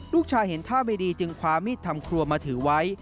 เห็นท่าไม่ดีจึงคว้ามีดทำครัวมาถือไว้